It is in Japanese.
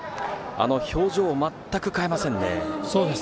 表情を全く変えませんね。